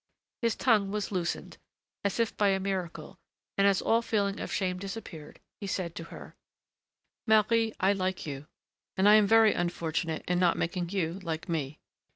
His tongue was loosened, as if by a miracle, and as all feeling of shame disappeared, he said to her: "Marie, I like you, and I am very unfortunate in not making you like me.